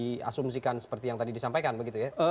jadi fpi tidak di asumsikan seperti yang tadi disampaikan begitu ya